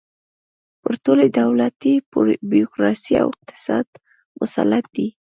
پر ټولې دولتي بیروکراسۍ او اقتصاد مسلط دی.